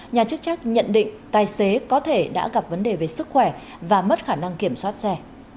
nhà chức trách nhận định tài xế có thể đã gặp vấn đề về sức khỏe và mất khả năng kiểm soát xe